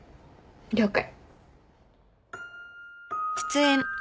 了解。